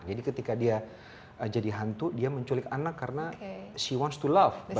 jadi ketika dia jadi hantu dia menculik anak karena she wants to love